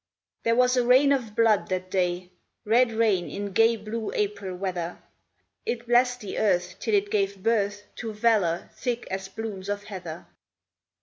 There was a rain of blood that day, Red rain in gay blue April weather. It blessed the earth till it gave birth To valour thick as blooms of heather.